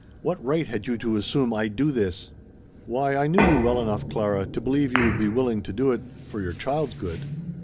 What right had you to assume I'd do this?" "Why I knew you well enough, Clara, to believe you would be willing to do it for your child's good."